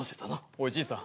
おいじいさん。